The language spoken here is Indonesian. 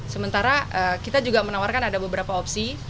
sementara kita juga menawarkan ada beberapa opsi